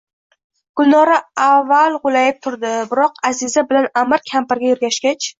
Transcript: Gulnora avval goʼlayib turdi, biroq Аziza bilan Аmir kampirga ergashgach